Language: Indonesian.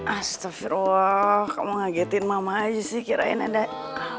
astagfirullah kamu ngagetin mama aja sih kirain ada apa